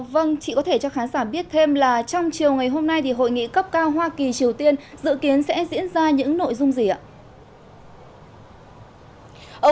vâng chị có thể cho khán giả biết thêm là trong chiều ngày hôm nay thì hội nghị cấp cao hoa kỳ triều tiên dự kiến sẽ diễn ra những nội dung gì ạ